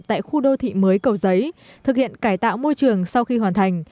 tại khu đô thị mới cầu giấy thực hiện cải tạo môi trường sau khi hoàn thành